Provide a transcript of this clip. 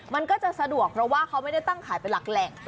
มันก็จะสะดวกเพราะว่าเขาไม่ได้ตั้งขายเป็นหลักแหล่ง